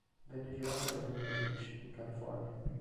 Venne girato a Redondo Beach, in California.